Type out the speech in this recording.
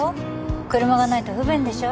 車がないと不便でしょ？